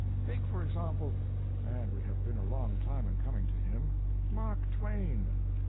Take, for example and we have been a long time in coming to him Mark Twain.